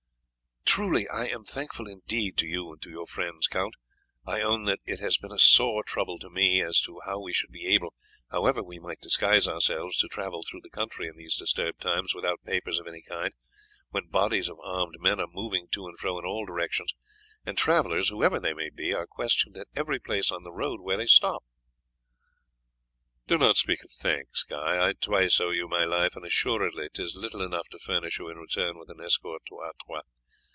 "Truly, I am thankful indeed to you and to your friends, Count. I own that it has been a sore trouble to me as to how we should be able, however we might disguise ourselves, to travel through the country in these disturbed times, without papers of any kind, when bodies of armed men are moving to and fro in all directions, and travellers, whoever they may be, are questioned at every place on the road where they stop." "Do not speak of thanks, Guy; I twice owe you my life, and assuredly 'tis little enough to furnish you in return with an escort to Artois.